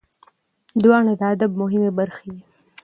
دواړه د ادب مهمې برخې دي.